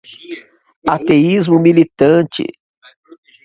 ateísmo militante